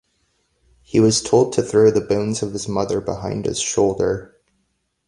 He was told to throw the bones of his mother behind his shoulder.